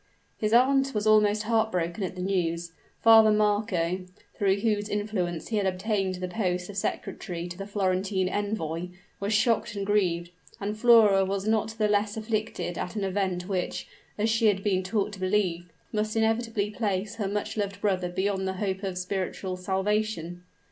His aunt was almost heart broken at the news. Father Marco, through whose influence he had obtained the post of secretary to the Florentine Envoy, was shocked and grieved; and Flora was not the less afflicted at an event which, as she had been taught to believe, must inevitably place her much loved brother beyond the hope of spiritual salvation.